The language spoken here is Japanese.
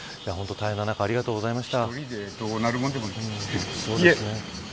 大変な中ありがとうございました。